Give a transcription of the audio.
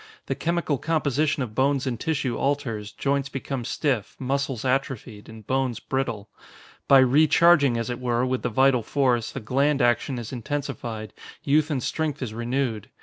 The chemical composition of bones and tissue alters, joints become stiff, muscles atrophied, and bones brittle. By recharging, as it were, with the vital force, the gland action is intensified, youth and strength is renewed.